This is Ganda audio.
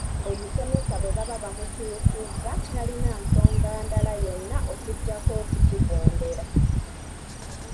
Omusomesa bwe baba bamukyusizza talina nsonga ndala yonna okuggyako okukigondera.